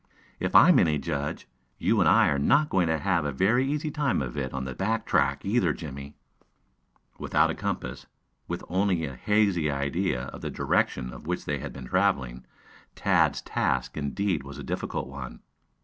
If I'm any judge, you and I are not going to have a very easy time of it on the back track, either, Jimmie." Without a compass, with only a hazy idea of the direction in which they had been traveling, Tad's task indeed was a difficult one.